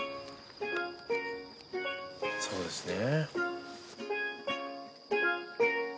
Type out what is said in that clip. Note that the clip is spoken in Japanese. そうですね。